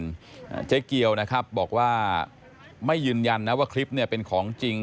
อ่าเจ๊เกียวนะครับบอกว่าไม่ยืนยันนะว่าคลิปเนี้ยเป็นของจริง